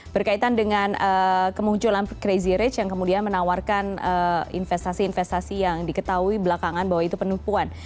berkaitan dengan kemunculan crazy rich yang kemudian menawarkan investasi investasi yang diketahui belakangan bahwa itu penipuan